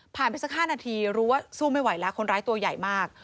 ไปสัก๕นาทีรู้ว่าสู้ไม่ไหวแล้วคนร้ายตัวใหญ่มาก